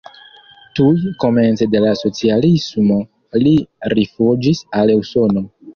Tuj komence de la socialismo li rifuĝis al Usono.